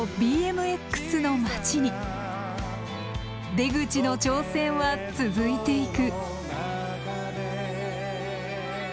出口の挑戦は続いていく。